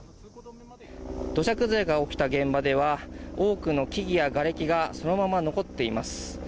土砂崩れが起きた現場では多くの木々やがれきがそのまま残っています。